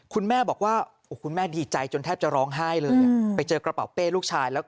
คุณแม่บอกว่าคุณแม่ดีใจจนแทบจะร้องไห้เลยไปเจอกระเป๋าเป้ลูกชายแล้ว